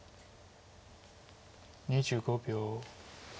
２５秒。